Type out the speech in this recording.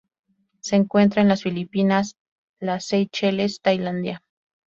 Se encuentra en las Filipinas, las Seychelles, Tailandia